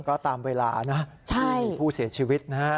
ก็ตามเวลานะมีผู้เสียชีวิตนะฮะ